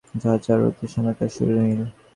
ঝাঁ ঝাঁ রৌদ্রের সঙ্গে তার সুরের মিল।